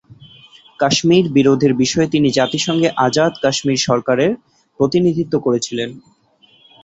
কাশ্মীর বিরোধের বিষয়ে তিনি জাতিসংঘে আজাদ কাশ্মীর সরকারের প্রতিনিধিত্ব করেছিলেন।